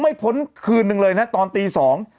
พ้นคืนหนึ่งเลยนะตอนตีสอง